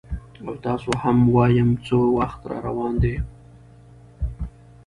او تاسو ته هم وایم چې وخت روان دی،